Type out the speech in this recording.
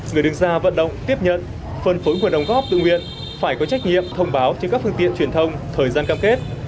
người đứng ra vận động tiếp nhận phân phối nguồn đóng góp tự nguyện phải có trách nhiệm thông báo trên các phương tiện truyền thông thời gian cam kết